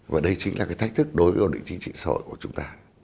và đây chính là cái thách thức đối với ổn định chính trị xã hội của chúng ta